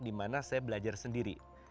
di mana saya belajar sendiri